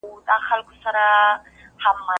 دواړه مشران مساوي حقوق لري.